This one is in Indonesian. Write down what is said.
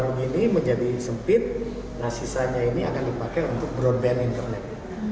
jika tv ini menjadi sempit sisa frekuensi ini akan dipakai untuk broadband internet